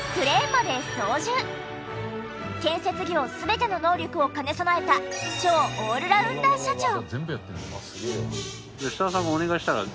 建設業全ての能力を兼ね備えた超オールラウンダー社長！